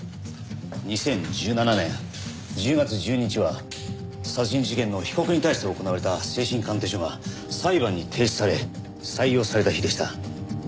２０１７年１０月１２日は殺人事件の被告に対して行われた精神鑑定書が裁判に提出され採用された日でした。